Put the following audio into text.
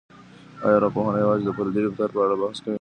آیا ارواپوهنه یوازې د فردي رفتار په اړه بحث کوي؟